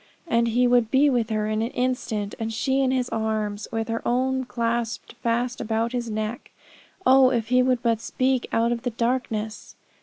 and he would be with her in an instant, and she in his arms, with her own clasped fast about his neck. Oh, if he would but speak out of the darkness!